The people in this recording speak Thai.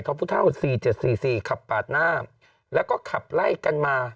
พุเท่า๔๗๔๔ขับปาดหน้าแล้วก็ขับไล่กันมา